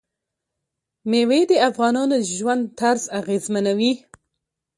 مېوې د افغانانو د ژوند طرز اغېزمنوي.